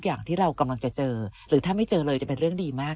อย่างที่เรากำลังจะเจอหรือถ้าไม่เจอเลยจะเป็นเรื่องดีมาก